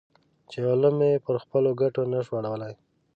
چې علوم پر خپلو ګټو نه شو اړولی.